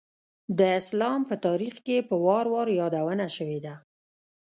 د اسلام په تاریخ کې په وار وار یادونه شوېده.